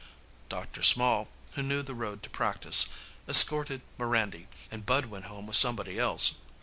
Dr. Small, who knew the road to practice, escorted Mirandy, and Bud went home with somebody else.